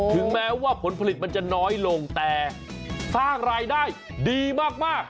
ถึงแม้ว่าผลผลิตมันจะน้อยลงแต่สร้างรายได้ดีมาก